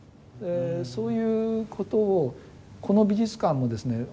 そういうことをこの美術館もですね